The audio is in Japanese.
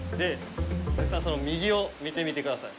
佐々木さん、その右を見てみてください。